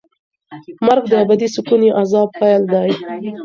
مرګ د ابدي سکون یا عذاب پیل دی.